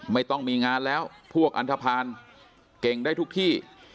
ไม่ต้องมีงานแล้วพวกอันทภาณเก่งได้ทุกที่